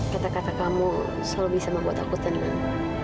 kata kata kamu selalu bisa membuat takut tenang